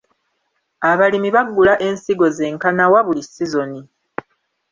Abalimi bagula ensigo zenkana wa buli sizoni?